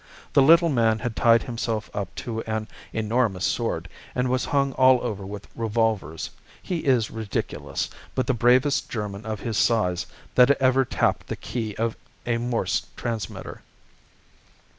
The little man had tied himself up to an enormous sword and was hung all over with revolvers. He is ridiculous, but the bravest German of his size that ever tapped the key of a Morse transmitter.